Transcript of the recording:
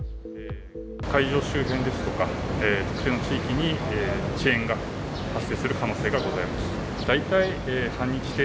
会場周辺ですとか、特定の地域に遅延が発生する可能性がございます。